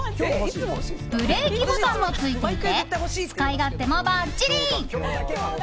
ブレーキボタンもついていて使い勝手もばっちり。